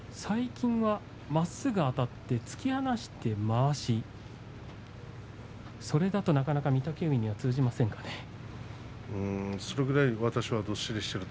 最近はまっすぐあたって突き放して、まわしそれだとなかなか御嶽海には通じませんかね。